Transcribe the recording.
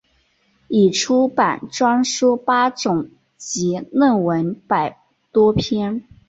已出版专书八种及论文百多篇。